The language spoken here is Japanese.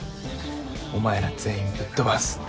お前ら全員ぶっ飛ばすって。